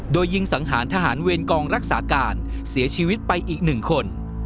โดยยิงสังหารทหารเวรกองรักษาการเสียชีวิตไปอีกหนึ่งคน